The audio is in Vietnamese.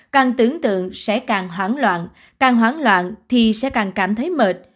càng tưởng tượng sẽ càng hoảng loạn càng hoán loạn thì sẽ càng cảm thấy mệt